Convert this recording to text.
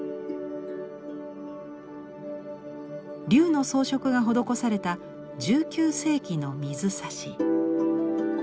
龍の装飾が施された１９世紀の水差し。